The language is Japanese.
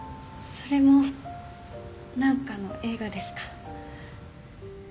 それも何かの映画ですか？